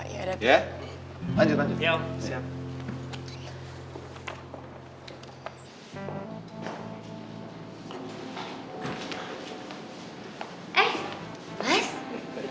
ya lanjut lanjut